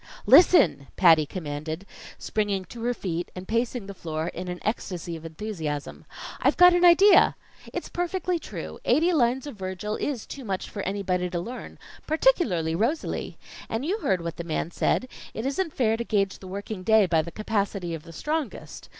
"Listen!" Patty commanded, springing to her feet and pacing the floor in an ecstasy of enthusiasm. "I've got an idea! It's perfectly true. Eighty lines of Virgil is too much for anybody to learn particularly Rosalie. And you heard what the man said: it isn't fair to gage the working day by the capacity of the strongest.